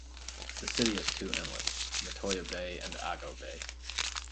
The city has two inlets: Matoya Bay and Ago Bay.